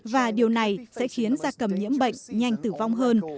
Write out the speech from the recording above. và điều này sẽ khiến gia cầm nhiễm bệnh nhanh tử vong hơn